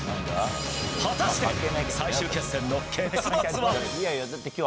果たして、最終決戦の結末は。